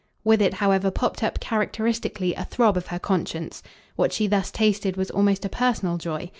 With it however popped up characteristically a throb of her conscience. What she thus tasted was almost a personal joy.